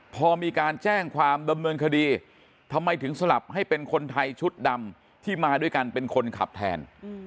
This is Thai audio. พอมีการแจ้งความดำเนินคดีทำไมถึงสลับให้เป็นคนไทยชุดดำที่มาด้วยกันเป็นคนขับแทน